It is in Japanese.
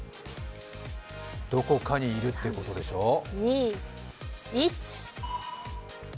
どこかにいるってことでしょ。